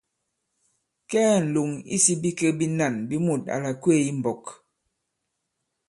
Kɛɛ ǹlòŋ isī bikek binân bi mût à làkweē i m̀mbɔk.